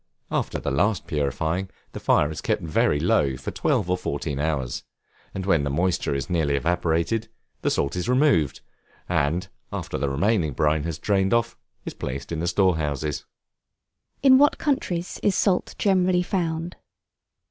After the last purifying the fire is kept very low for twelve or fourteen hours, and when the moisture is nearly evaporated the salt is removed, and, after the remaining brine has drained off, is placed in the store houses. In what countries is Salt generally found?